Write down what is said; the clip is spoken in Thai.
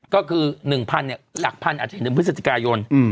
ก็คือ๑๐๐หลักพันอาจจะเห็นในพฤศจิกายน